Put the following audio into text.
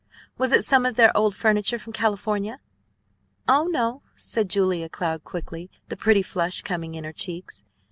Was it some of their old furniture from California?" "Oh, no," said Julia Cloud quickly, the pretty flush coming in her cheeks.